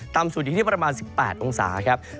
สุดอยู่ที่ประมาณ๑๘องศาครับ